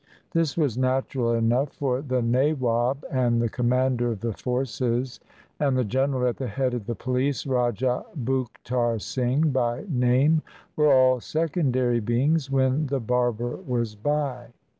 This was natural enough; for the nawab and the commander of the forces and the ''gen eral" at the head of the police, Rajah Buktar Singh by name, were all secondary beings when the barber was by.